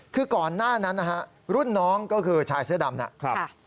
คือก่อนหน้านั้นนะฮะรุ่นน้องก็คือชายเสื้อดำนะครับ